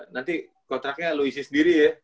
nanti kontraknya lu isi sendiri ya